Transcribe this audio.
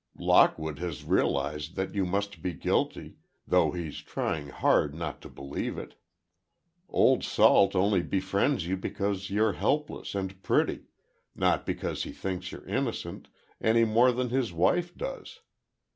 Lockwood has realized that you must be guilty, though he's trying hard not to believe it. Old Salt only befriends you because you're helpless and pretty—not because he thinks you're innocent—any more than his wife does.